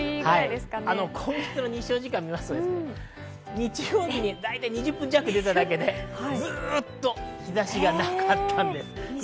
今月の日照時間を見ると、日曜日に２０分弱出ただけでずっと日差しがなかったんです。